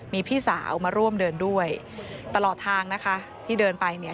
มีพี่สาวมาร่วมเดินด้วยตลอดทางนะคะที่เดินไปเนี่ย